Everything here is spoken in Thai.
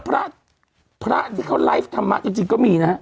จริงแล้วพระที่เขาไลฟ์ทำมาจนจริงก็มีนะฮะ